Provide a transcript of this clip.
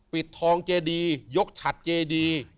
ปิดทองเจดียกฉัดเจดี